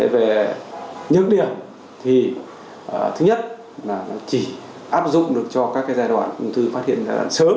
về nhược điểm thì thứ nhất là nó chỉ áp dụng được cho các giai đoạn ung thư phát hiện giai đoạn sớm